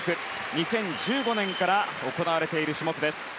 ２０１５年から行われている種目です。